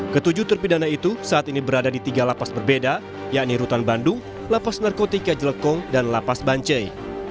ketujuh terpidana itu saat ini berada di tiga lapas berbeda yakni rutan bandung lapas narkotika jelekong dan lapas bancai